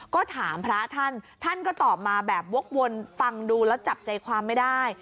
ก็ถามพระท่านท่านก็ตอบมาแบบวกวนฟังดูแล้วจับใจความไม่ได้